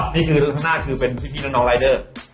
อ้อนี่คือลุงสะงะคือพี่พี่น้องรายเดอร์